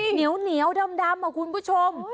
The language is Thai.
เหนียวดำคุณผู้ชม